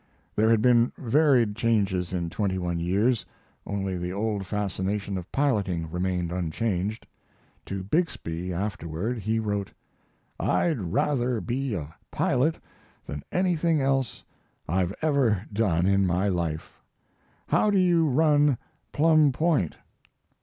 There had been varied changes in twenty one years; only the old fascination of piloting remained unchanged. To Bixby afterward he wrote: "I'd rather be a pilot than anything else I've ever done in my life. How do you run Plum Point?"